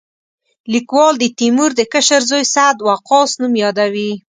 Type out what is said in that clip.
لیکوال د تیمور د کشر زوی سعد وقاص نوم یادوي.